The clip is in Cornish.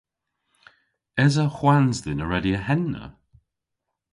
Esa hwans dhyn a redya henna?